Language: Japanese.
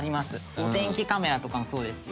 「お天気カメラとかもそうですし」